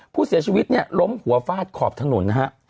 ผู้เสียชีวิตเนี่ยล้มหัวฟาดขอบถนนนะฮะ